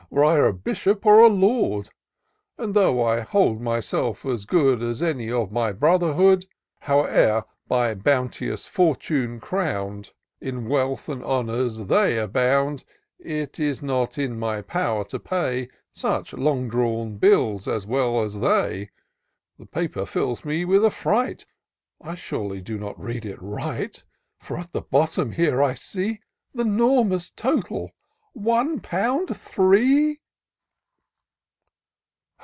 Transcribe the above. Were I a bishop or a lord : And though I hold myself as good As any of my brotherhood, IN SEARCH OF THE PICTURESQUE. 31 Howe er, by bounteous Fortune crown'd, In wealth and honours they abound, It is not in my power to pay Such long drawn bills as well as they. The paper fills me with affright ;— I surely do not read it right : For at the bottom here, I see Th' enormous total — one pound, three